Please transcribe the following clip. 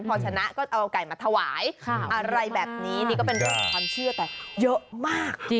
พอชนะก็จะเอาไก่มาถวายอะไรแบบนี้นี่ก็เป็นเรื่องของความเชื่อแต่เยอะมากจริง